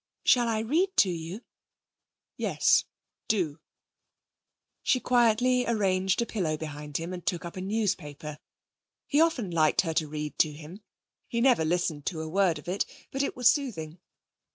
'Shall I read to you?' 'Yes, do.' She quietly arranged a pillow behind him and took up a newspaper. He often liked her to read to him; he never listened to a word of it, but it was soothing.